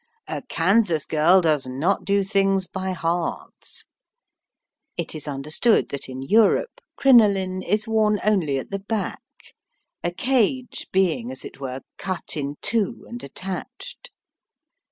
A Kansas girl does not do things by halves. It is under stood that in Europe crinoline is worn only at the back, a cage being, as it were, cut in two and attached.